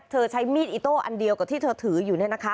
ใช้มีดอิโต้อันเดียวกับที่เธอถืออยู่